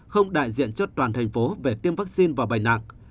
không đại diện cho toàn thành phố về tiêm vaccine và bệnh nặng